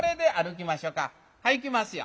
はいいきますよ。